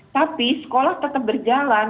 tapi sekolah tetap berjalan